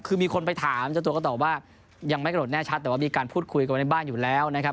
คือมีคนไปถามเจ้าตัวก็ตอบว่ายังไม่กระโดดแน่ชัดแต่ว่ามีการพูดคุยกันไว้ในบ้านอยู่แล้วนะครับ